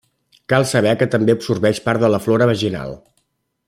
Cal saber que també absorbeix part de la flora vaginal.